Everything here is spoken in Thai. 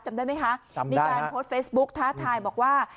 จำได้ไหมคะจำได้ฮะมีการโพสต์เฟสบุ๊คท้าทายบอกว่า